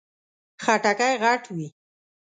خټکی غټ وي.